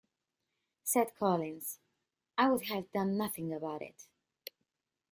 Said Collins: I would have done nothing about it.